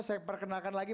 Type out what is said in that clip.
saya perkenalkan lagi